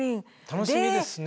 楽しみですね。